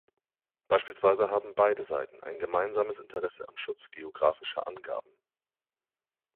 Beispielsweise haben beide Seiten ein gemeinsames Interesse am Schutz geografischer Angaben.